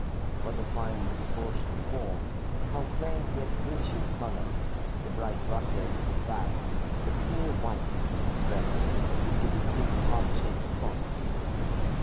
What a finely proportioned form! How plain, yet rich, his color, the bright russet of his back, the clear white of his breast, with the distinct heart shaped spots!